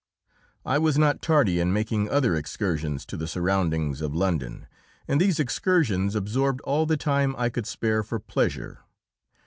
I was not tardy in making other excursions to the surroundings of London, and these excursions absorbed all the time I could spare for pleasure.